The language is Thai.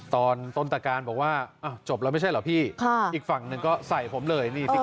ตอนต้นตะการบอกว่าจบแล้วไม่ใช่เหรอพี่อีกฝั่งหนึ่งก็ใส่ผมเลย